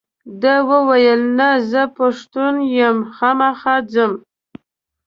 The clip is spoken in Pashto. ده وویل نه زه پښتون یم خامخا ځم.